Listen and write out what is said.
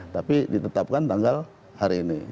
tapi ditetapkan tanggal hari ini